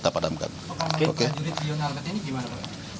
oke jurid di yon armet ini gimana pak